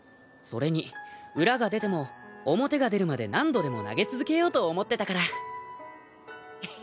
それに裏が出ても表が出るまで何度でも投げ続けようと思ってたから」